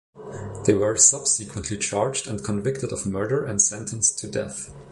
They were subsequently charged and convicted of murder and sentenced to death.